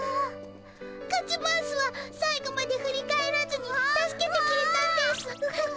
カズマウスは最後まで振り返らずに助けてくれたんですぅ。